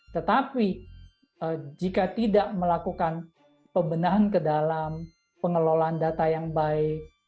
tetapi jika tidak melakukan pembenahan ke dalam pengelolaan data yang baik